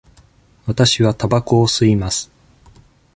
わたしはたばこを吸います。